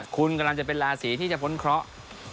คุณกำลังจะเป็นราศีที่จะพ้นเคราะห์